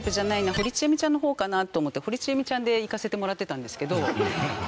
堀ちえみちゃんの方かなと思って堀ちえみちゃんでいかせてもらってたんですけど。